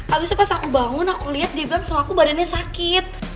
abis itu pas aku bangun aku lihat dia bilang sama aku badannya sakit